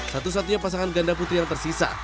satu satunya pasangan ganda putri yang tersisa